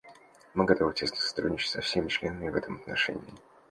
Мы готовы тесно сотрудничать со всеми членами в этом отношении.